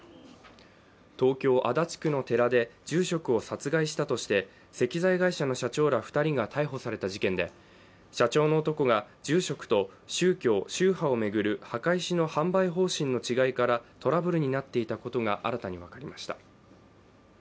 東京・足立区の寺で住職を殺害したとして石材会社の社長ら２人が逮捕された事件で社長の男が住職と宗教・宗派を巡る墓石の販売方針の違いからトラブルになっていたことが新たに分かりました。